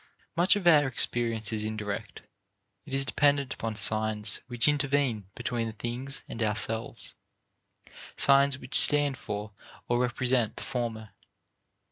Much of our experience is indirect; it is dependent upon signs which intervene between the things and ourselves, signs which stand for or represent the former.